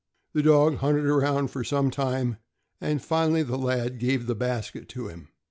The dog hunted around for some time, and finally the lad gave the basket to him.